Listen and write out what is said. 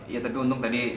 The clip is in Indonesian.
ya tapi untung tadi